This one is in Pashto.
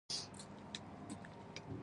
یوه خبره ماته جالبه ښکاره شوه.